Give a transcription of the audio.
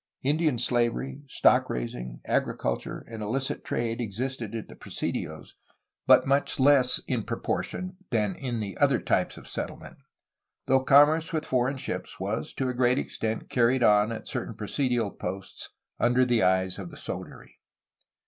Indian slavery, stock raising, agriculture, and illicit trade existed at the presidios, but much less in proportion than in the other types of settlement, though commerce with foreign ships was to a great extent carried on at certain presidial posts under the eyes of the soldiery.